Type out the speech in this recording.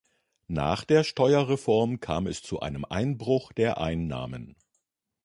Nach der Steuerreform kam es zu einem Einbruch der Einnahmen.